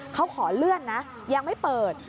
เขาขอเลื่อนนะยังไม่เปิด